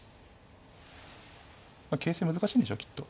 形勢難しいんでしょきっと。